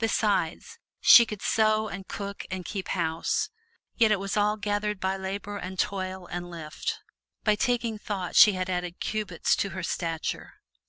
Besides, she could sew and cook and "keep house." Yet it was all gathered by labor and toil and lift. By taking thought she had added cubits to her stature.